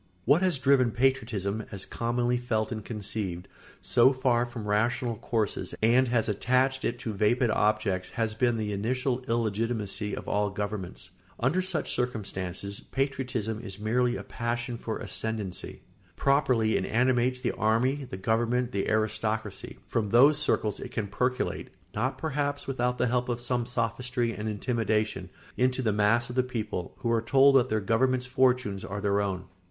] What has driven patriotism, as commonly felt and conceived, so far from rational courses and has attached it to vapid objects has been the initial illegitimacy of all governments. Under such circumstances, patriotism is merely a passion for ascendency. Properly it animates the army, the government, the aristocracy; from those circles it can percolate, not perhaps without the help of some sophistry and intimidation, into the mass of the people, who are told that their government's fortunes are their own.